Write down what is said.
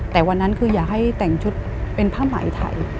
แต่วันนั้นคืออยากให้แต่งชุดเป็นผ้าหมายไทย